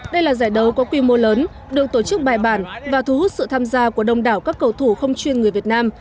đây là giải đấu có quy mô lớn được tổ chức bài bản và thu hút sự tham gia của đông đảo các cầu thủ không chuyên người việt nam